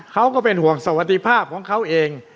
ก็เป็นห่วงสวัสดิภาพของเขาเอง